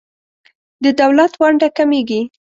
د دولت ونډه کمیږي.